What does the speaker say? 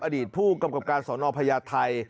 อดีตผู้กำกับการสอนอพญาไทย